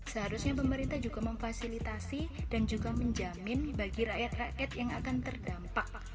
seharusnya pemerintah juga memfasilitasi dan juga menjamin bagi rakyat rakyat yang akan terdampak